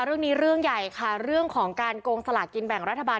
เรื่องนี้เรื่องใหญ่ค่ะเรื่องของการโกงสลากกินแบ่งรัฐบาล